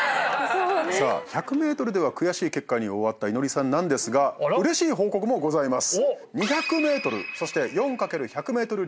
さあ１００ｍでは悔しい結果に終わった祈愛さんなんですがうれしい報告もございます。